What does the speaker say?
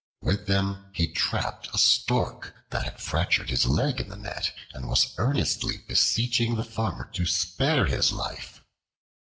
With them he trapped a Stork that had fractured his leg in the net and was earnestly beseeching the Farmer to spare his life.